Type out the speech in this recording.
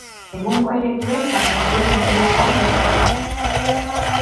Egungo ereduek baino hein handiagoan bermatuko du.